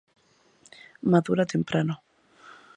Madura temprano.